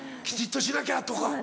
きちっとしなきゃとか。